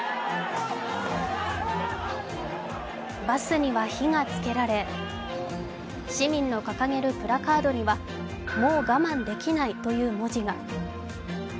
バスには火がつけられ市民の掲げるプラカードには「もう我慢できない」という文字が。